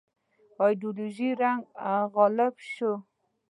ایدیالوژیک رنګ غالب شوی.